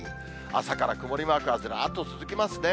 朝から曇りマークがずらっと続きますね。